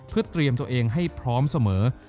เพื่อเตรียมตัวเองให้พร้อมเสมอ